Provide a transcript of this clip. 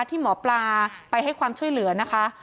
ที่หมอปลาไปให้ความช่วยเหลือนะคะ